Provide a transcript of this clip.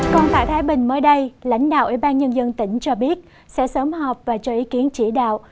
còn tại thái bình mới đây lãnh đạo ủy ban nhân dân tỉnh cho biết sẽ sớm họp và cho ý kiến chỉ đạo